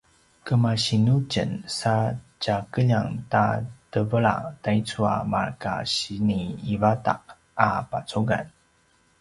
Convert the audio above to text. kemasinu tjen sa tja keljang ta tevela taicu a marka sini ivadaq a pacugan?